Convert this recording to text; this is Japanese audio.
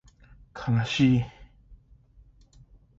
かなしい